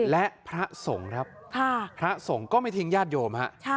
และพระสงฆ์ครับพระสงฆ์ก็ไม่ทิ้งญาติโยมฮะ